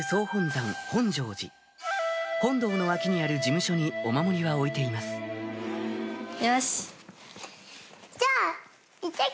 本堂の脇にある寺務所にお守りは置いていますよし。